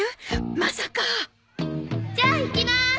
まさかじゃあいきまーす。